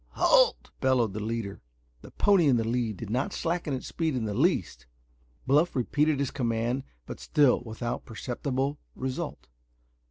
"Halt!" bellowed the leader. The pony in the lead did not slacken its speed in the least. Bluff repeated his command, but still without perceptible result.